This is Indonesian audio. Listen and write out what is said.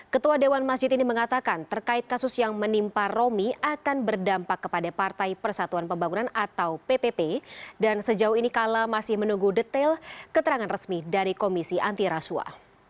ketua dewan masjid ini mengatakan terkait kasus yang menimpa romi akan berdampak kepada partai persatuan pembangunan atau ppp dan sejauh ini kala masih menunggu detail keterangan resmi dari komisi anti rasuah